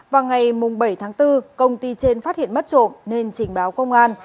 vào ngày bảy tháng bốn công ty trên phát hiện mất trộm nên trình báo công an